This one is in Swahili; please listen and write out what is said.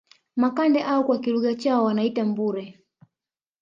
Makande au kwa kilugha chao wanaita Mbure